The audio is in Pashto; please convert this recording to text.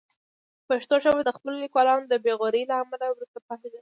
پښتو ژبه د خپلو لیکوالانو د بې غورۍ له امله وروسته پاتې شوې.